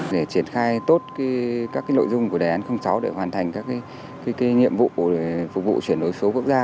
để triển khai tốt các nội dung của đề án sáu để hoàn thành các nhiệm vụ chuyển đổi số quốc gia